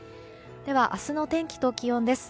では明日の天気と気温です。